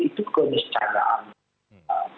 itu kondisi cagangan